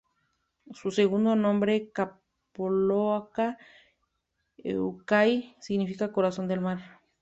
Su segundo nombre, Ka-polioka'ehukai, significa ‘corazón del mar’.